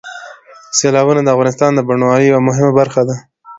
سیلابونه د افغانستان د بڼوالۍ یوه مهمه برخه ده.